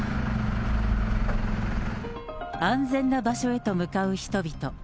安全な場所へと向かう人々。